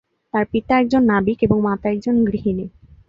তার পিতা একজন নাবিক এবং মাতা একজন গৃহিণী।